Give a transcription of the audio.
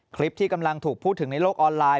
คลิปที่กำลังถูกพูดถึงในโลกออนไลน์